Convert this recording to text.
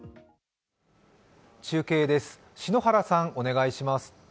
中継です。